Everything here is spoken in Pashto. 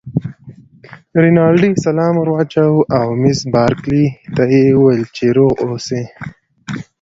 رینالډي سلام ور واچاوه او مس بارکلي ته یې وویل چې روغ اوسی.